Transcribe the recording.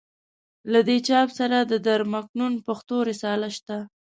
له دې چاپ سره د در مکنون پښتو رساله شته.